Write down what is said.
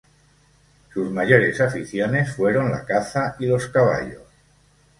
Sus mayores aficiones fueron la caza y los caballos.